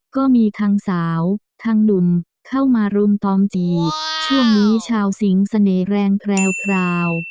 ก็มีทั้งสาวทางหนุ่มเข้ามารุมตอมจีบช่วงนี้ชาวสิงเสน่ห์แรงแพรว